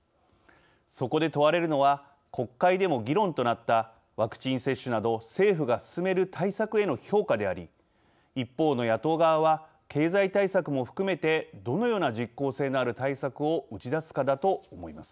そこで問われるのは国会でも議論となったワクチン接種など政府が進める対策への評価であり一方の野党側は経済対策も含めてどのような実効性のある対策を打ち出すかだと思います。